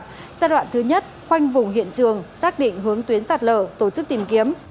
giai đoạn thứ nhất khoanh vùng hiện trường xác định hướng tuyến sạt lở tổ chức tìm kiếm